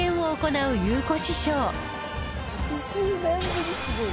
８０年ぶりすごい。